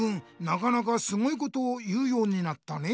なかなかすごいことを言うようになったね。